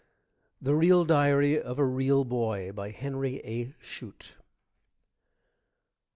THE REAL DIARY OF A REAL BOY BY HENRY A. SHUTE Mar.